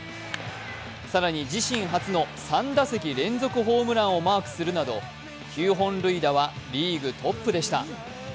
更に自身初の３打席連続のホームランをマークするなど９本塁打はリーグトップでした。